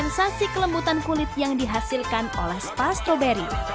sensasi kelembutan kulit yang dihasilkan oleh spa stroberi